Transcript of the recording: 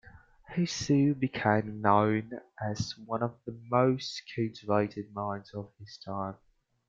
He soon became known as one of the most cultivated minds of his time.